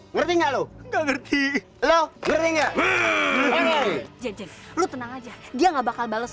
ngerti nggak lu nggak ngerti lo berengga hai jajan lu tenang aja dia nggak bakal bales